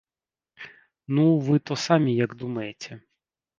Ну вы то самі як думаеце?